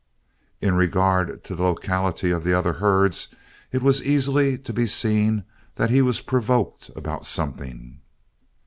In regard to the locality of the other herds, it was easily to be seen that he was provoked about something.